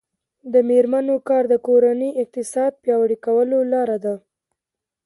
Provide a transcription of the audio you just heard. د میرمنو کار د کورنۍ اقتصاد پیاوړی کولو لاره ده.